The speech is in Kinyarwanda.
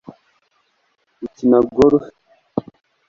ukina golf